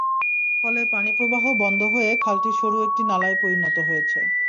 ফলে পানি প্রবাহ বন্ধ হয়ে খালটি সরু একটি নালায় পরিণত হয়েছে।